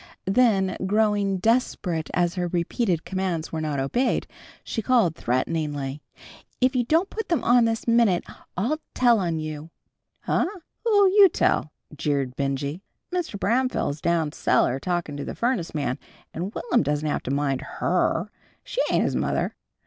Then growing desperate as her repeated commands were not obeyed, she called threateningly, "If you don't put them on this minute I'll tell on you." "Huh! Who'll you tell?" jeered Benjy. "Mr. Bramfeel's down cellar, talkin' to the furnace man, and Will'm doesn't have to mind Her. She ain't his mother."